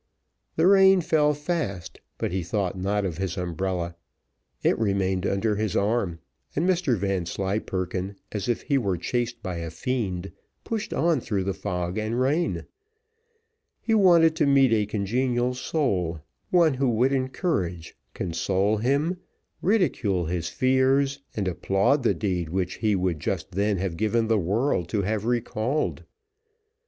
The rain fell fast, but he thought not of his umbrella, it remained under his arm, and Mr Vanslyperken, as if he were chased by a fiend, pushed on through the fog and rain; he wanted to meet a congenial soul, one who would encourage, console him, ridicule his fears, and applaud the deed which he would just then have given the world to have recalled.